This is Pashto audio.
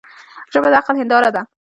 ژبه د عقل هنداره ده